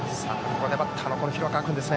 ここでバッターの廣川君。